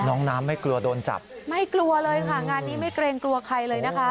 น้องน้ำไม่กลัวโดนจับไม่กลัวเลยค่ะงานนี้ไม่เกรงกลัวใครเลยนะคะ